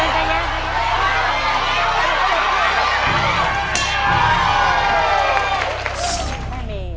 ใจเย็น